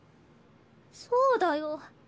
そうだよ。